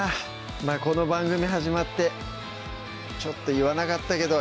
この番組始まってちょっと言わなかったけど